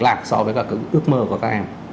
đặc so với các ước mơ của các em